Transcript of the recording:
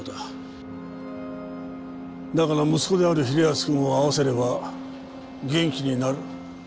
だから息子である平安くんを会わせれば元気になる。